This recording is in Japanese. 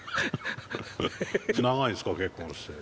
長いんですか結婚して？